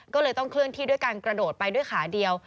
ก็เลยต้องเคลื่อนที่ด้วยการกระโดดไปด้วยขาเดียว